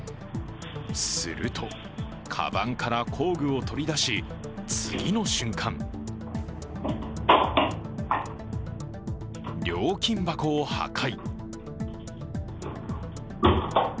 すると、かばんから工具を取り出し次の瞬間料金箱を破壊。